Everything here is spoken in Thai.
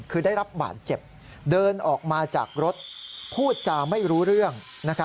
คือได้รับบาดเจ็บเดินออกมาจากรถพูดจาไม่รู้เรื่อง